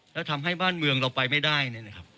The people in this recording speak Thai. แล้วทำให้บ้านเมืองเราไปไม่ได้เนี่ยนะครับ